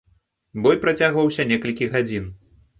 Бой працягваўся некалькі гадзін.